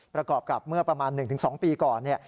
ประกอบกับเมื่อประมาณ๑๒ปีก่อน